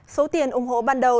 số tiền ủng hộ ban đầu